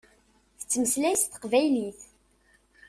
Tettmeslay s teqbaylit.